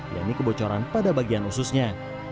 yang dikebocoran pada bagian ususnya